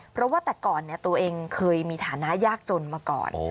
เพราะว่าแต่ก่อนตัวเองเคยมีฐานะยากจนมาก่อน